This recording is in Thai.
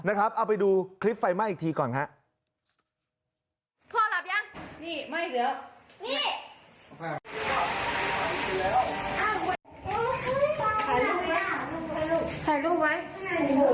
นะครับเอาไปดูคลิปไฟไหม้อีกทีก่อนฮะพ่อหลับยังนี่ไหม้เหลือนี่